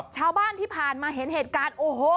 ชาวบ้านที่ผ่านมาเห็นเหตุการณ์โอ้โห